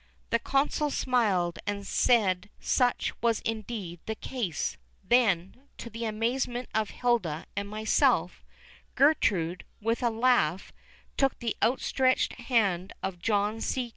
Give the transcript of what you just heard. The Consul smiled and said such was indeed the case; then, to the amazement of Hilda and myself, Gertrude, with a laugh, took the outstretched hand of John C.